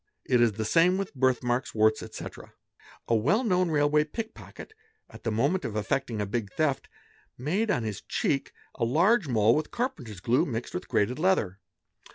It is the same with birthmarks, warts, etc. A well known railway pick pocket, at the moment of effecting a big theft, made on his cheek a large mole with carpenter's glue mixed with grated leather.